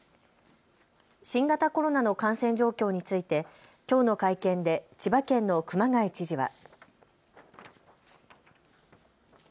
新型コロナの感染状況についてきょうの会見で千葉県の熊谷知事は。